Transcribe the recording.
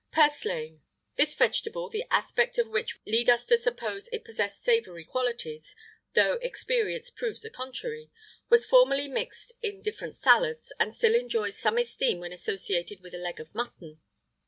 PURSLAINE. This vegetable, the aspect of which would lead us to suppose it possessed savoury qualities (though experience proves the contrary), was formerly mixed in different salads, and still enjoys some esteem when associated with a leg of mutton.